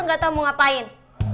gak tau mau ngapain